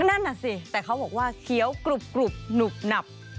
นั่นน่ะสิแต่เขาบอกว่าเคี้ยวกรุบหนุบหนับ